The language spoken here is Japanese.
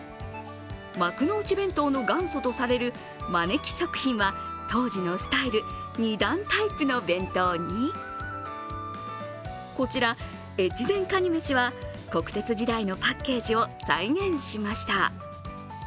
幕の内弁当の元祖とされるまねき食品は当時のスタイル、２段タイプの弁当に、こちら、越前かにめしは国鉄時代のパッケージを再現しました。